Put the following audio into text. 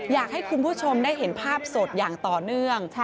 อยากให้คุณผู้ชมได้เห็นภาพสดอย่างต่อเนื่อง